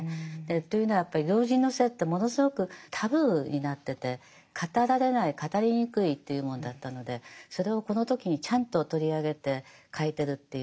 というのはやっぱり老人の性ってものすごくタブーになってて語られない語りにくいというもんだったのでそれをこの時にちゃんと取り上げて書いてるっていう。